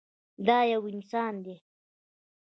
دا يو انسان ديه.